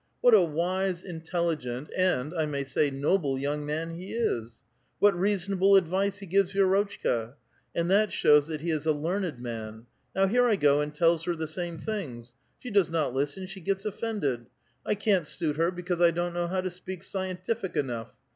What a wise, intelligent, and I may say noble, young man he is ! What reasonable advice he gives Vi6rotchka ! And that shows that he is a learned man : now here I go and tells her the same things ; she does not listen, she gets offended ; I can't suit her because I don't know how to speak scientific enough.